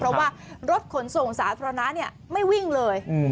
เพราะว่ารถขนส่งสาธารณะไม่วิ่งเลย